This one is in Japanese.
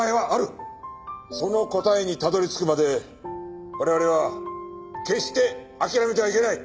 その答えにたどり着くまで我々は決して諦めてはいけない。